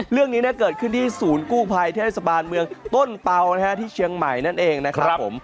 เรื่องนี้เกิดขึ้นที่ศูนย์กู้ภัยเทศบาลเมืองต้นเป่าที่เชียงใหม่นั่นเองนะครับผม